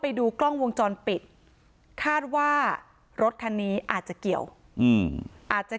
ไปดูกล้องวงจรปิดคาดว่ารถคันนี้อาจจะเกี่ยวอืมอาจจะ